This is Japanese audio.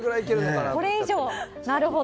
これ以上なるほど。